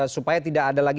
supaya tidak ada lagi